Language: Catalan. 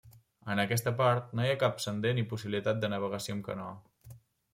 En aquesta part, no hi ha cap sender ni possibilitat de navegació amb canoa.